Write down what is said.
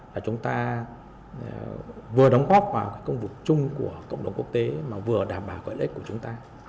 là chúng ta vừa đóng góp vào công việc chung của cộng đồng quốc tế mà vừa đảm bảo gợi lệch của chúng ta